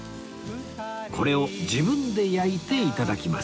これを自分で焼いて頂きます